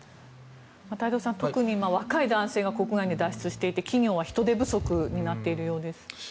太蔵さん、特に若い男性が国外へ脱出していて企業は人手不足になっているようです。